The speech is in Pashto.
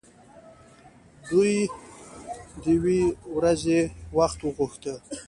دوی دوې ورځې وخت وغوښت.